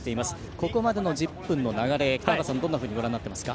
ここまでの１０分の流れ北原さん、どんなふうにご覧になっていますか。